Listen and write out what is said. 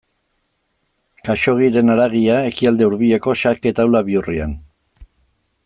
Khaxoggiren haragia Ekialde Hurbileko xake taula bihurrian.